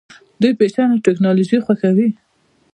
دوی فیشن او ټیکنالوژي خوښوي.